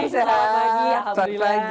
selamat pagi alhamdulillah